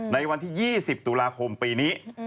ในวันที่๒๐ตุลาคมปีนี้